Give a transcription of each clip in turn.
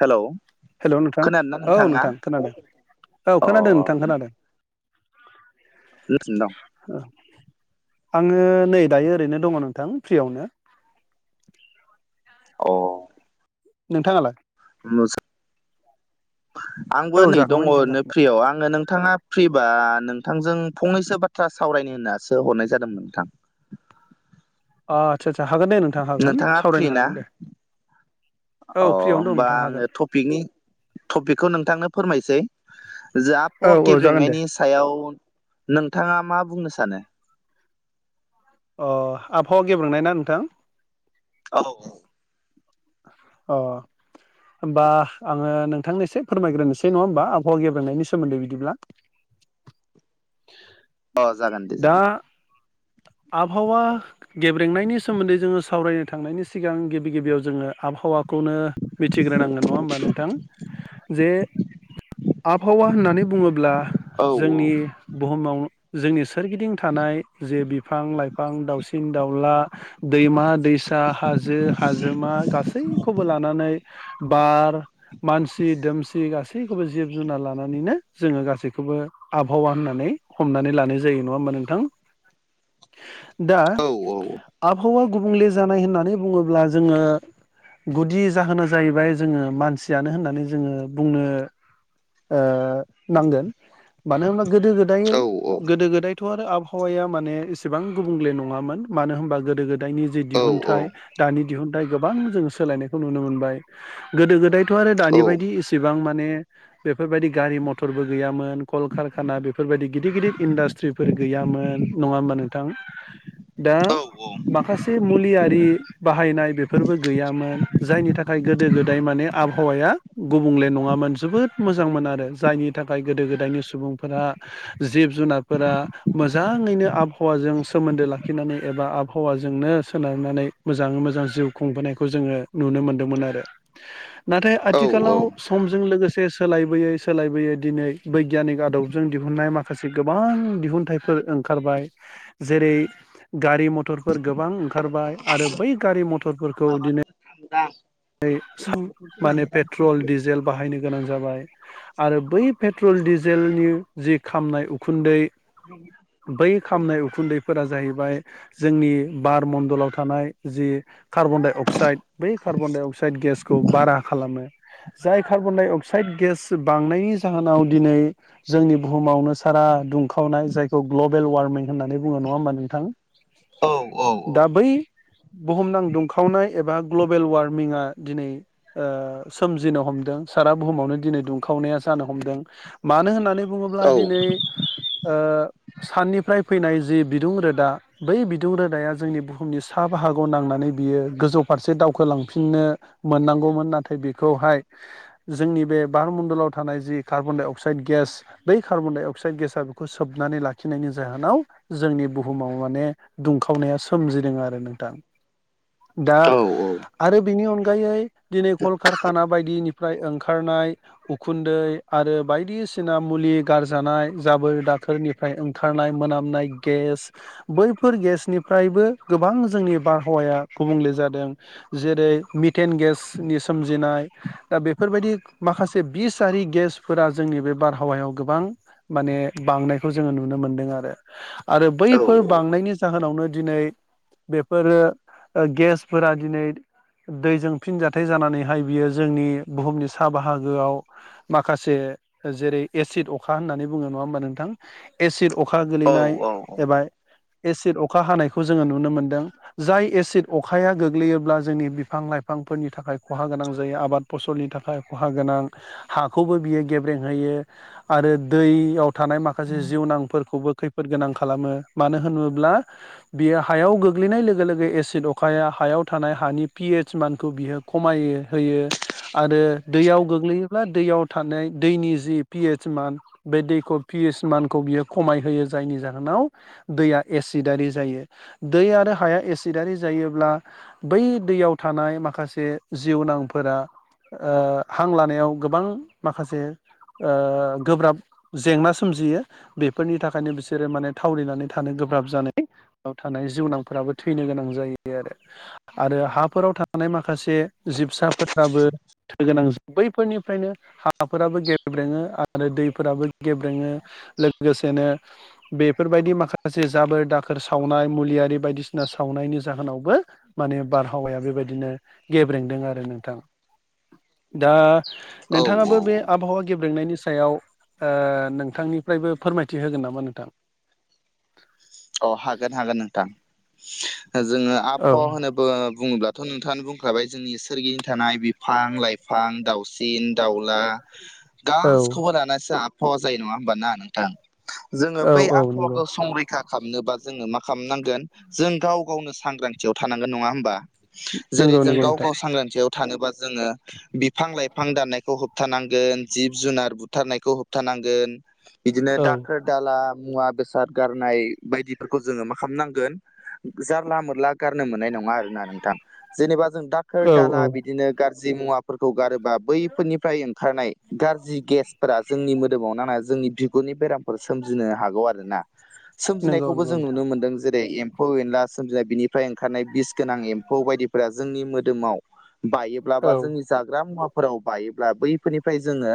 Hello hello नोंथां खोनादोंना औ नोंथाङा नोंथां खोनादों औ अ खोनादों नोंथां खोनादों [unintelligible] आङो नै दायो ओरैनो दङ' नोंथां फ्रियावनो अ नोंथाङालाय [unintelligible] आंबो औ नै जाखांबाय दङ' नोंथां ओरनो जाखांबाय फ्रियाव आङो नोंथाङा फ्रिबा नोंथांजों फंनैसो बाथ्रा सावरायनो होननासो हरनाय जादोंमोन नोंथां अ आदसा सा हागोन दे नोंथा हागोन नोंथाङा फ्रि सावरायनो ना हागोन दे अ' औ फ्रियावनो दं होमबा नोंथां आङो हागोन थ थपिकनि थपिकखौ नोंथांनो फोरमायसै जोहा औ आबहावा औ जागोन दे गेब्रेनायनि सायाव नोंथाङा मा बुंनो सानो? अ' आबहावा गेब्रोंनाय ना नोंथां? औ अ' होमबा आङो नोंथांनो एसे फोरमायग्रोनोसै नङा होमबा आबहाव गेब्रेंनायनि सोमोन्दै बिदिब्ला [inaudible] दे दा जागोन आबहावा गेब्रेंनायनि सोमोन्दै जोङो सावरायनो थांनायनि सिगां गिबि गिबियाव जोङो आबहावाखौनो मिथिग्रोनांगोन नङा होमबा नोंथां जे आबहावा होननानै बुङोब्ला औ जोंनि बुहुमाव जोंनि सोरगिदिं थानाय जे बिफां लाइफां बिफां दाउसिन दाउला दैमा दैसा हाजो हाजोमा गासैबो गासैखौबो लानानै बार मानसि दोमसि गासैखौबो जिब जुनार लानानैनो जोङो गासैखौबो आबहावा होननानै हमनानै लानाय जायो नङा होमबा नोंथां [inaudible] दा औ आबहावा गुबुंले जानाय होननानै बुङोब्ला जोङो गुदि जाहोना जाहैबाय जोङो मानसियानो होननानै जोङो बुंनो ओ नांगोन मानो होनबा गोदो गोदाय औ गोदो गोदायथ' आरो आबहावाया माने एसेबां गुबुंले नङामोन मानो होनबा गोदो गोदाय दायनि जे औ औ दिहुनथाइ दानि दिहुनथाइ गोबां जोङो सोलायनायखौ नुनो मोनबाय गोदो गोदायथ' आरो औ दानि बायदि इसेबां माने बेफोर बायदि गारि मथरबो गैयामोन कलकारखाना बेफोर बायादि गिदिर गिदिर इन्डास्ट्रि ट्रिफोर गैयामोन नङा होमबा नोंथां दा माखासे मुलियारि बाहायनाय बेफोरबो गैयामोन जायनि थाखाय गोदो गोदाय माने आबहावाया गुबुंले नङामोन जोबोद मोजां मोनो आरो जायनि थाखाय गोदो गोदायनि सुबुंफोरा जिब जुनारफोरा मोजाङैनो आबहावाजों सोमोन्दो लाखिनानै एबा आबहावाजोंनो सोनारनानै मोजाङै मोजां जिउ खुंबोनायखौ जोङो नुनो मोन्दोंमोन आरो नाथाय औ आथिखालाव समजों लोगोसे सोलायबोयै सोलायबोयै दिनै बैगायानिक आदबजों दिहुननाय माखासे माखासे गोबां दिहुनथाइफोर ओंखारबाय जेरै गारि मटरफोर गोबां ओंखारबाय आरो बै गारि मटरफोरखौ दिनै आ दा [unintelligible] बे साम माने पेट्रल डिजेल बाहायनो गोनां जाबाय आरो बै पेट्रल डिजेलनि जि खामनाय उखुन्दै बै खामनाय उखुन्दैफोरा जाहैबाय जोंनि बार मण्डलाव थानाय जि कार्बन डाइ अक्साइड बै कार्बन कार्बन -डाइ -अक्साइड गेसखौ बारा खालामो जाय कार्बन डाइ अक्साइड गेस बांनायनि जाहोनाव दिनै जोंनि बुहुमावनो सारा दुंखावनाय जायखौ ग्लबेल वार्मिं होननानै बुङो नङा होमबा नोंथां दा औ बै बुहुमनां दुंखावनाय एबा ग्लबेल वाल मिङा दिनै ओसोमजिनो हमदों सारा बुहुमावनो दिनै दुंखावनाया जानो हमदों मानो होननानै बुङोब्ला औ दिनै साननिफ्राय फैनाय जि बिदुं रोदा बै बिदुं रोदाया जोंनि बुहुमनि सा बाहागोआव नांनानै बियो गोजौ फारसे दावखोलां फिननो मोननांगौमोन नाथाय बेखौहाय जोंनि बे बारमण्डलाव थानाय जि कार्बन डाइ अक्साइड गेस बै कार्बन डाइ अक्साइड गेसा बेखौ सोबनानै लाखिनायनि जाहोनाव जोंनि बुहुमाव माने दुंखावनाया सोमजिदों आरो नोंथां [inaudible] दा औ औ आरो बिनि अनगायै दिनै कलकारखाना बायदिनिफ्राय ओंखारनाय उखुन्दै आरो बायदिसिना मुलि गारजानाय जाबोर दाखोरनि प्रय ओंखारनाय मोनामनाय गेस बैफोर गेसनिफ्रायबो गोबां जोंनि बारहावाया गुबुंले जादों जेरै मिटेन गेसनि सोमजिनाय दा बेफोरबायदि माखासे बिस आरि गेसफोरा जोंनि बे बारहावायाव गोबां माने बांनायखौ जोङो नुनो मोनदों आरो आरो औ बैफोर बांनायनि जाहोनावनो दिनै बेफोरो गेसफोरा दिनै दैजों फिनजाथाय जानानैहाय बियो जोंनि बुहुमनि सा बाहागोआव माखासे जेरै एसिड अखा होननानै बुङो नङा होमबा नोंथां? एसिड अखा गोलैनाय एबा एसिड अखा हानायखौ जोङो नुनो मोनदों जाय एसिड अखाया गोग्लैयोब्ला जोंनि बिफां लाइफांफोरनि थाखाय खहा गोनां जायो आबाद फसलनि थाखाय खहा गोनां हाखौबो बियो गेब्रें होयो। आरो दैयाव थानाय माखासे जिउ नांफोरखौबो खैफोद गोनां खालामो मानो होनोब्ला बियो हायाव गोग्लैनाय लोगो लोगो एसिड अखाया हायाव थानाय हानि पि एइस मानखौ बियो खमायो होयो। आरो दैयाव गोग्लैयोब्ला दैयाव थानाय दैनि जि पिएस मान बे दैखौ पिएस मानखौ बियो खमाय होयो जायनि जाहोनाव दैया एसिडारि जायो दै आरो हाया एसिडारि जायोब्ला बै दैयाव थानाय माखासे जिउनांफोरा हां लानायाव गोबां माखासे गोब्राब जेंना सोमजियो बेफोरनि थाखायनो बिसोरो माने थावलनानै थानो गोब्राब जानाय थानाय जिउनांफोराबो थैनो गोनां जायो आरो आरो हाफोराव थानाय माखासे जिबसाफोराबो थो गोनां बैफोरनिफ्रायनो हाफोराबो गेब्रेङो आरो आरो दैफोराबो गेब्रेङो लोगोसेनो बेफोरबायदि माखासे जाबोर दाखोर सावनाय मुलियारि बायदिसिना सावनायनि जाहोनावबो माने बारहावाया बेबायदिनो गेब्रेंदों आरो नोंथां दा औ औ नोंथाङाबो बे आबहावा गेब्रेंनायनि सायाव नोंथांनिफ्रायबो फोरमायथि होगोन नामा नोंथां? अ हागोन हागोन नोंथां जोङो औ आबहावा होनोब्ला बुङोब्लाथ' नोंथाङानो बुंखाबाय जोंनि सोरगिनि थानाय बिफां लाइफां दाउसिन दाउला औ गासिखौबो लानानैसो आबहावा जायो नङा होमबा ना नोंथां? जोङो औ बै औ नंगौ आबहावाखौ संरैखा खालामनोबा जोङो मा खालामनांगोन जों गाव गावनो सांग्रांथियाव थानांगोन नङा होमबा? जेरै नंगौ जों नंगौ गाव नोंथां गाव सांग्रांथियाव थानोबा जोङो बिफां लाइफां दाननायखौ होब होबथानांगोन जिब जुनार बुथारनायखौ होबथानांगोन बिदिनो औ दाखोर दाला मुवा बेसाद गारनाय बायदिफोरखौ जोङो मा खालामनांगोन जारला मोरला गारनो मोननाय नङा नोंथां जेनेबा जों दाखोर औ दाला औ बिदिनो गाज्रि मुवाफोरखौ गारोबा बैफोरनिफ्राय ओंखारनाय गाज्रि गेसफोरा जोंनि मोदोमाव नांना जोंनि बिगुरनि बेराम फोर सोमजिनो हागौ आरो ना नंगौ सोमजिनायखौबो नंगौ जों नोंथां नुनो मोन्दों जेरै एम्फौ एनला सोमजिनाय बिनिफ्राय ओंखारनाय बिस गोनां एम्फौ बायदिफोरा जोंनि मोदोमाव औ बायोब्लाबा जोंनि जाग्रा मुवाफोराव बायोब्ला बैफोरनिफ्राय जोङो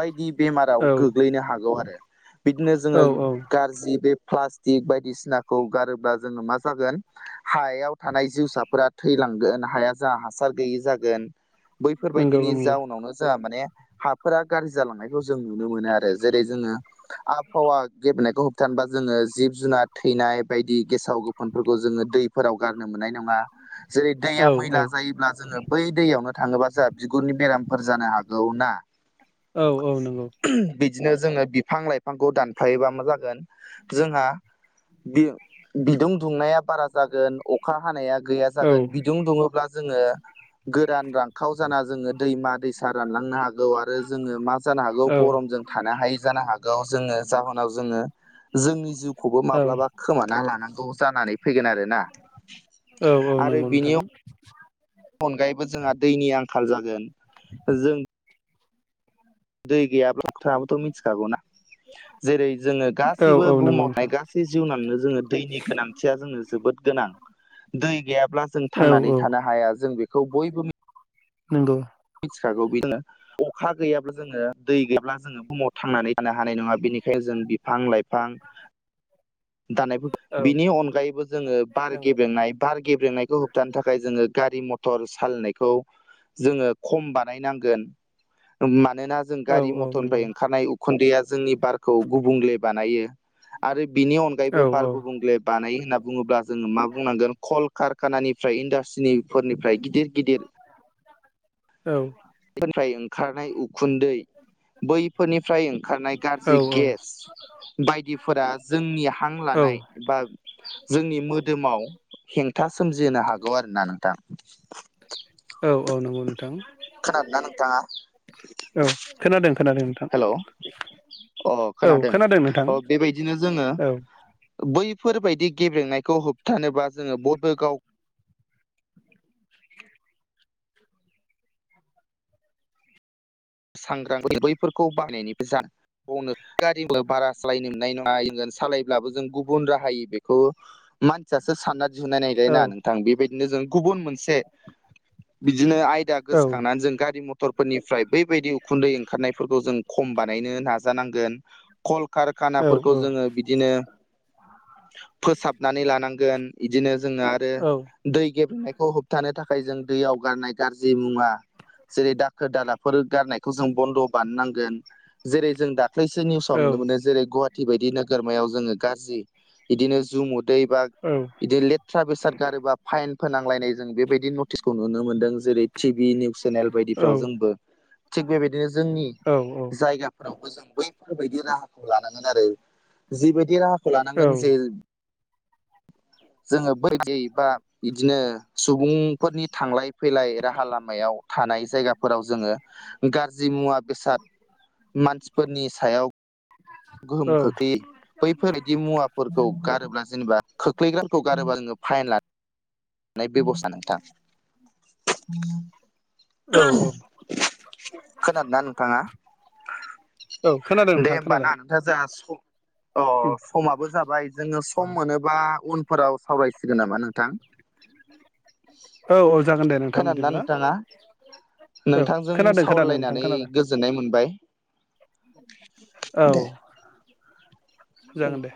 बायदि बेमाराव औ गोग्लैनो हागौ आरो बिदिनो औ जोङो औ गाज्रि बे प्लास्टिक बायदिसिनाखौ गारोब्ला जोङो मा जागोन हायाव थानाय जिउसाफोरा थैलांगोन हाया जा हासार गैयि जागोन नंगौ बैफोरबायदिनि नंगौ जाउनावनो जोंहा माने हा फोर गाज्रि जालांनायखौ जों नुनो मोनो आरो जेरै जोङो आबहावा गेब्रेंनायखौ होबथानोबा जोङो जिब जुनार थैनाय बायदि गेसाव गोफोनफोरखौ जोङो दैफोराव गारनो मोननाय नङा। जेरै औ दैया मैला जायोब्ला जोङो बै दैयावनो थाङोबा जों बिगुरनि बेरामफोर जानो हागौ ना औ औ नंगौ। बिदिनो जोङो बिफां लाइफांखौ दानफायोबा मा जागोन। जोंहा बिदुं दुंनाया बारा जागोन। अखा हानाया गैया औ जागोन बिदुं दुङोब्ला जोङो गोरान रानखाव जाना जोङो दैमा दैसा रानलांनो हागौ आरो जोङो मा जानो हागौ औ गरमजों थानो हायै जानो हागौ जोङो जाहोनाव जोङो जोंनि जिउखौबो औ माब्लाबा खोमाना लानांगौ जानानै फैगोन आरोना औ आरो बिनियाव [inaudible] अनगायैबो जोंहा दैनि आंखाल जागोन जों दै गैयाब्ला नोंथाङाबोथ' मिथिखागौना जेरै जोङो औ गासिबो औ नंगौ बुहुमाव नोंथां थानाय गा सै जिउनांनोनो जोङो दैनि गोनांथिया जोंनो जोबोद गोनां दै गैयाब्ला जों थांनानै औ औ थानो हाया जों बेखौ बयबो नंगौ मिथिखागौ बिदिनो अखा गैयाब्ला जोङो दै गैयाब्ला जोङो बुहुमाव थांनानै थानो हानाय नङा बेनिखायनो जों बिफां लाइफां दानाय औ बिनि अनगायैबो जोङो बार नंगौ गेबेंनाय बार गेब्रेंनायखौ होबथानो थाखाय जोङो गारि मथर सालायनायखौ जोङो खम बानायनांगोन मानोना जों औ गारि औ नंगौ मथरनिफ्राय ओंखारनाय उखुन्दैया जोंनि बारखौ गुबुंले बानायो आरो बिनि औ अनगायैबो औ बार गुबुंले बानाय होनना बुङोब्ला जोङो मा बुंनांगोन कल कारखानानिफ्राय इन्डास्ट्रिनि फोरनिफ्राय गिदिर गिदिर औ फोरनिफ्राय ओंखारनाय उखुन्दै बैफोरनिफ्राय ओंखारनाय गाज्रि गेस बायदिफोरा जोंनि हां औ लानाय बा जोंनि मोदोमाव हेंथा सोमजिहोनो हागौ आरो ना नोंथां औ औ नंगौ नोंथां खोनादों ना नोंथाङा औ खोनादों खोनादों नोंथां हेल' अ औ खोनादों नोंथां अ बेबायदिनो जोङो औ बैफोरबायदि गेब्रेंनायखौ होबथानोबा जोङो बबे गाव सांग्रां बैफोरखौ बायनायनिबो जानो बनो गारि बारा सालायनो मोननाय नङा सालायब्लाबो जों गुबुन राहाय बेखौ मानसियासो साननानै नाय नाय औ ना नोंथां बेबायदिनो जों गुबुन मोनसे बिदिनो आया औ गोसोखांनानै जों गारि मटरफोरनिफ्राय बेबायदि उखुन्दै ओंखारनायफोरखौ जों खम बानायनो नाजानांगोन औ कलकारखानाफोरखौ औ जोङो बिदिनो फोसाबनानै लानांगोन बिदिनो जों आरो औ दै गेब्लेनायखौ होबथानो थाखाय जों दैयाव गारनाय गाज्रि मुवा जेरै दाखोर दालाब फोर गारनायखौ जों बन्द' बानायनांगोन जेरै जों दाखाैसो निउसाव नुनो औ मोनो जेरै गु बायदि नोगोरमायाव जोङो गाज्रि बिदिनो ज म उदै बा औ बिदि लेथ्रा बेसाद गारोबा फाइन फोनांलायनाय जों बेबायदि नटिसखौ नुनो मोनदों जेरै टि भि नि ब जनो ज ज औ फोरावबो जों बैफोरबायदि राहाखौ लानांगोन आरो जिबायदि राहाखौ लानांगोन जे जोङो बै ग बा बिदिनो सुबुंफोरनि थांलाय फैलाय राहा लामायाव थानाय जायगाफोराव जोङो गाज्रि मुवा बेसाद मानसिफोरनि सायाव [unintelligible] बैफोर इदि मुवाफोरखौ गारोब्ला जेनेबा खोख्लैग्राखौ गारोब्ला जोङो फाइन लानो बेब'स्था नोंथां [unintelligible] खोनादोंना नोंथाङा औ खोनादों दे नोंथां खोनादों [unintelligible] अ औ समाबो जाबाय जोङो सम मोनोबा उनफोराव सावराय सिगोन नामा नोंथां औ औ जागोन दे नोंथां खोनादोंना बिदिब्ला नोंथाङा औ खोनादों खोनादों नोंथां खोनादों गोजोन्नाय मोनबाय दे औ जागोन दे